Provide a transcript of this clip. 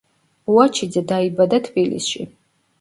ბუაჩიძე დაიბადა თბილისში.